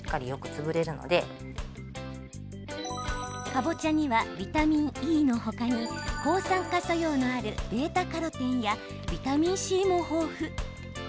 かぼちゃには、ビタミンＥの他に抗酸化作用のあるβ−カロテンやビタミンＣも豊富。